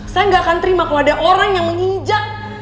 saya gak akan terima kalau ada orang yang menginjak